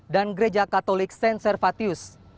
dan gereja katolik saint servatius